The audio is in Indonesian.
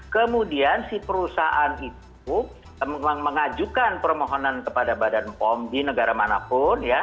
kemudian si perusahaan itu mengajukan permohonan kepada badan pom di negara manapun